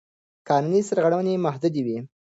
قانون سرغړونې محدودوي.